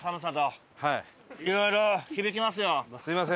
すみません。